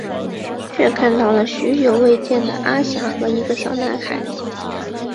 却看到了许久未见的阿霞和一个小男孩。